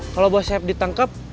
kalau bos saya ditangkep